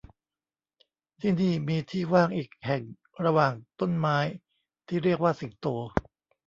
ที่นี่มีที่ว่างอีกแห่งระหว่างต้นไม้ที่เรียกว่าสิงโต